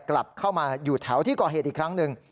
กลับเข้ามาอยู่แถวที่ก่อเหตุอีกครั้งหนึ่ง